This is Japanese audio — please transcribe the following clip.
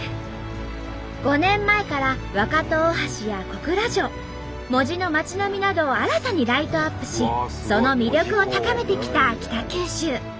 ５年前から若戸大橋や小倉城門司の町並みなどを新たにライトアップしその魅力を高めてきた北九州。